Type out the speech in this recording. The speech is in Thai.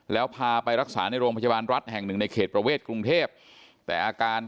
แล้วพาไปรักษาในโรงพยาบาลรัฐแห่งหนึ่งในเขตประเวทกรุงเทพแต่อาการ